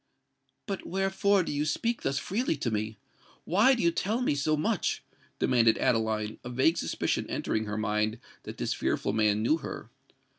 "But wherefore do you speak thus freely to me? why do you tell me so much?" demanded Adeline, a vague suspicion entering her mind that this fearful man knew her.